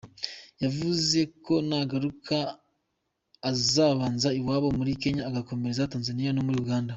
Yavuze ko nagaruka azabanza iwabo muri Kenya agakomereza Tanzania no muri Uganda.